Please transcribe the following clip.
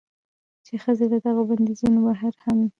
چې ښځې له دغو بندېزونو بهر هم